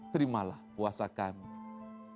terimalah puasa kami